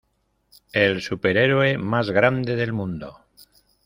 ¡ El superhéroe más grande del mundo!